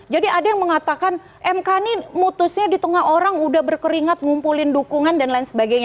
jadi ada yang mengatakan mk ini mutusnya di tengah orang udah berkeringat ngumpulin dukungan dan lain sebagainya